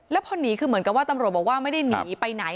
แล้วพอหนีคือเหมือนกับว่าตำรวจบอกว่าไม่ได้หนีไปไหน